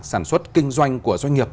sản xuất kinh doanh của doanh nghiệp